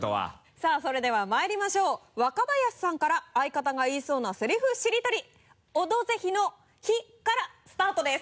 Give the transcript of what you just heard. さぁそれではまいりましょう若林さんから相方が言いそうなセリフしりとり「オドぜひ」の「ひ」からスタートです。